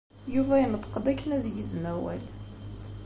Yuba yenṭeq-d akken ad yegzem awal.